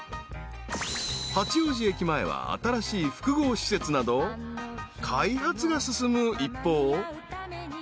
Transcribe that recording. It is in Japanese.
［八王子駅前は新しい複合施設など開発が進む一方］